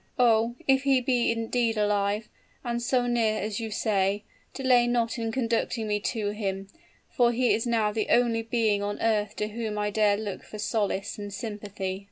"Oh, if he be indeed alive and so near me as you say delay not in conducting me to him; for he is now the only being on earth to whom I dare look for solace and sympathy."